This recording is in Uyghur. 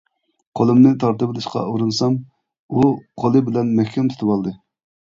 قولۇمنى تارتىۋېلىشقا ئۇرۇنسام، ئۇ قولى بىلەن مەھكەم تۇتۇۋالدى.